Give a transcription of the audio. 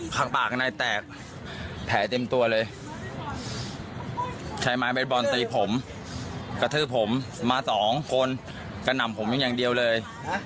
ข้างปากข้างในแตกแผลเต็มตัวเลยใช้ไม้เบสบอลตีผมกระทืบผมมาสองคนกระหน่ำผมอย่างเดียวเลย